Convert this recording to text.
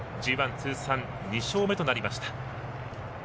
通算２勝目となりました。